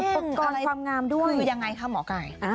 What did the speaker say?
อุปกรณ์ความงามด้วยคือยังไงคะหมอไก่